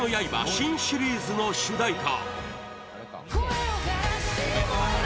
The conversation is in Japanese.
新シリーズの主題歌